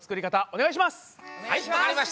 お願いします。